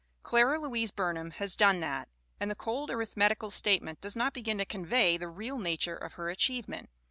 Clara Louise Burnham has done that; and the cold arithmetical statement does not begin to convey the real nature of her achievement.